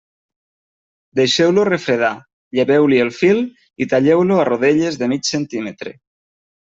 Deixeu-lo refredar, lleveu-li el fil i talleu-lo a rodelles de mig centímetre.